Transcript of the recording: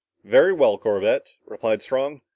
"Very well, Corbett," replied Strong.